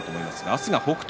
明日は北勝